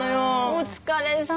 お疲れさま。